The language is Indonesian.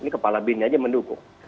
ini kepala bin aja mendukung